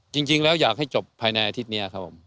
จริงแล้วอยากให้จบภายในอาทิตย์นี้ครับผม